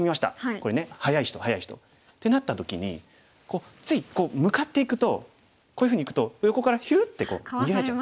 これね速い人速い人。ってなった時にこうつい向かっていくとこういうふうにいくと横からヒュウって逃げられちゃう。